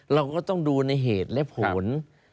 เราก็ต้องดูในเหตุและผล